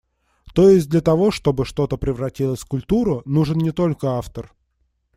То есть, для того, чтобы что-то превратилось в культуру нужен не только автор.